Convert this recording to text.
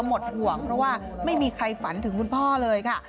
หมดห่วงเพราะว่าไม่มีใครฝันถึงคุณพ่อเลยค่ะ